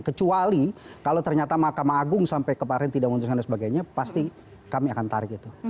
kecuali kalau ternyata mahkamah agung sampai kemarin tidak memutuskan dan sebagainya pasti kami akan tarik itu